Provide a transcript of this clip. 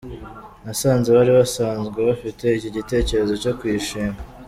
Nasanze bari basanzwe bafite iki gitekerezo cyo kuyishinga.